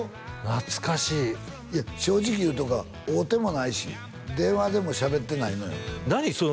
懐かしいいや正直言うとくわ会うてもないし電話でもしゃべってないのよ何？